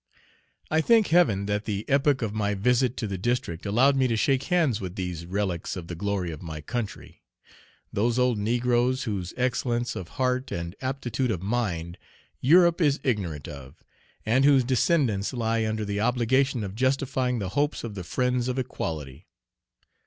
I thank Heaven that the epoch of my visit to the district allowed me to shake hands with these relics of the glory of my country, those old negroes whose excellence of heart and aptitude of mien Europe is ignorant of, and whose descendants lie under the obligation of justifying the hopes of the friends of equality."